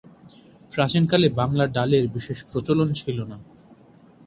প্রাচীনকালে বাংলা ডালের বিশেষ প্রচলন ছিল না।